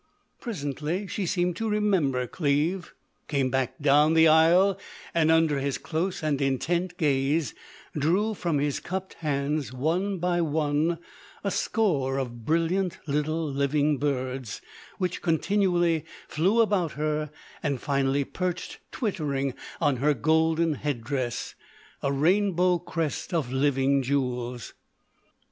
Presently she seemed to remember Cleve, came back down the aisle, and under his close and intent gaze drew from his cupped hands, one by one, a score of brilliant little living birds, which continually flew about her and finally perched, twittering, on her golden headdress—a rainbow crest of living jewels.